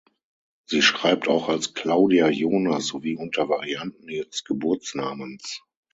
Sie schreibt auch als Claudia Jonas sowie unter Varianten ihres Geburtsnamens.